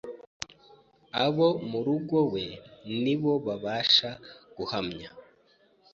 abo mu muryango we ni bo babasha guhamya